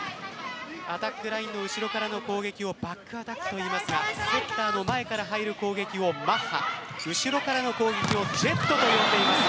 アタックラインの後ろからの攻撃をバックアタックといいますがセッターの前から入る攻撃をマッハ後ろからの攻撃をジェットと呼んでいます。